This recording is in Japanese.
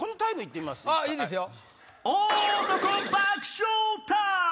いいですよ！